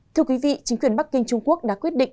thưa quý vị chính quyền bắc kinh trung quốc đã quyết định